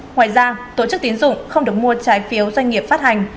ngoài ra tổ chức tín dụng không được mua trái phiếu doanh nghiệp phát hành